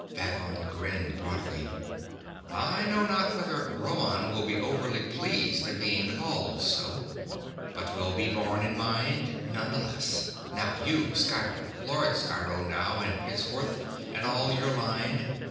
Phagon grinned broadly. "I know not whether Rhoann will be overly pleased at being called so, but 'twill be borne in mind nonetheless. Now you, Sciro; Lord Sciro now and henceforth, and all your line.